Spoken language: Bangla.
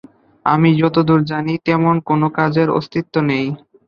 আমি যতদুর জানি, তেমন কোনো কাজের অস্তিত্ব নেই।